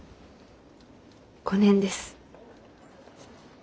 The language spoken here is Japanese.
５年です。